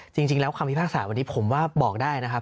จริงแล้วคำพิพากษาวันนี้ผมว่าบอกได้นะครับ